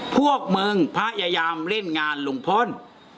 พวกมึงพยายามเล่นงานลุงพล